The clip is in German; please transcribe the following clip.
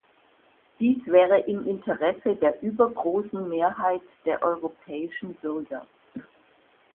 Dies wäre im Interesse der übergroßen Mehrheit der europäischen Bürger.